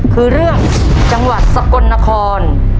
คือเรื่องจังหวัดสกลนคร